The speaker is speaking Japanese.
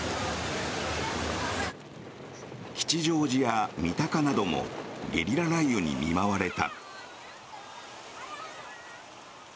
吉祥寺や三鷹などもゲリラ雷雨に見舞われた。